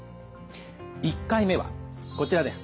１回目はこちらです。